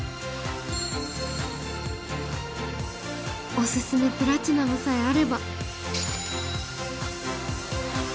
［おすすめプラチナムさえあれば］